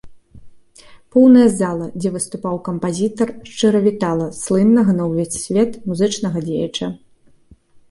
Поўная зала, дзе выступаў кампазітар, шчыра вітала слыннага на ўвесь свет музычнага дзеяча.